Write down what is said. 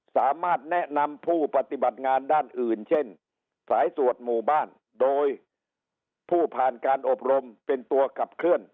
สามารถแนะนำผู้ปฏิบัติงานด้านอื่นเช่นสายตรวจหมู่บ้านโดยผู้ผ่านการอบรมเป็นตัวขับเคลื่อน